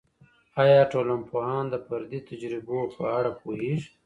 آیا ټولنپوهان د فردي تجربو په اړه پوهیږي؟